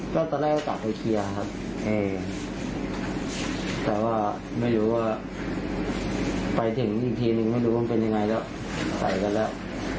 ก็ตอนแรกก็กลับไปเคลียร์ครับแต่ว่าไม่รู้ว่าไปถึงอีกทีนึงไม่รู้ว่ามันเป็นยังไงแล้วใส่กันแล้ว